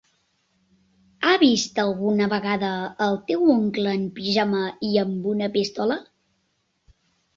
Has vist alguna vegada el teu oncle en pijama i amb una pistola?